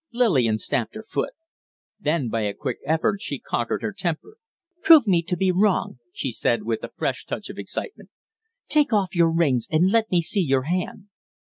Lillian stamped her foot. Then, by a quick effort, she conquered her temper. "Prove me to be wrong!" she said, with a fresh touch of excitement. "Take off your rings and let me see your hand."